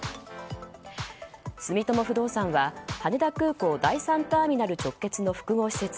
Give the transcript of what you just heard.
住友不動産は羽田空港第３ターミナル直結の複合施設